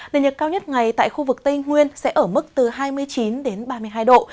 nền nhiệt cao nhất ngày tại khu vực tây nguyên sẽ ở mức từ hai mươi chín đến ba mươi hai độ